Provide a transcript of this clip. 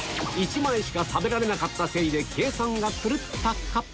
１枚しか食べられなかったせいで計算が狂ったか？